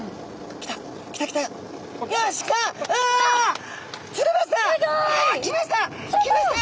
きましたよ。